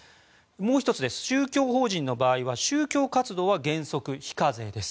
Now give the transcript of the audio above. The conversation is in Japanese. もう１つ、宗教法人の場合は宗教活動は原則非課税です。